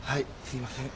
すいません。